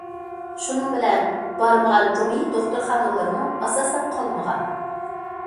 شۇنىڭ بىلەن، بارمىغان جۇڭيى دوختۇرخانىلىرىمۇ ئاساسەن قالمىغان.